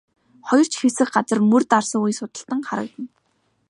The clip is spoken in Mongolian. Хоёр ч хэсэг газар мөр дарсан үе судалтан харагдана.